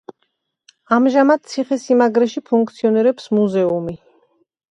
ამჟამად ციხესიმაგრეში ფუნქციონირებს მუზეუმი.